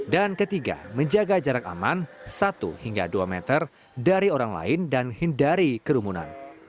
ketiga menjaga jarak aman satu hingga dua meter dari orang lain dan hindari kerumunan